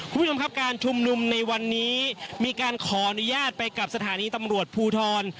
คุณผู้ชมครับการชุมนุมในวันนี้มีการขออนุญาตไปกับสถานีตำรวจภูทร